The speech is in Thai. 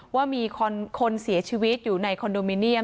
ว่ามีคนเสียชีวิตอยู่ในคอนโดมิเนียม